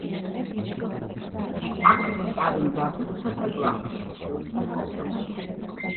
აქ ნეტარი მდაბიოთა და გლახაკთა შორის ცხოვრობდა.